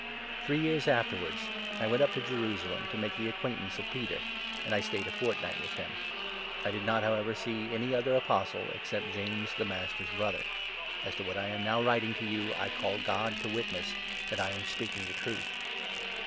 Three years afterwards I went up to 18 Jerusalem to make the acquaintance of Peter, and I stayed a fortnight with him. I did not, however, see any other 19 Apostle, except James, the Master's brother. (As to what I 20 am now writing to you, I call God to witness that I am speaking the truth).